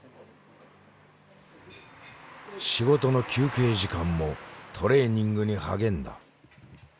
仕事の休憩時間もトレーニングに励んだ。